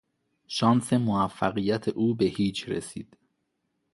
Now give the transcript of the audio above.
شانس موفقیت او به هیچ رسید.